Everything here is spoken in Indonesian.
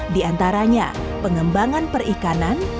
di antaranya pengembangan perikanan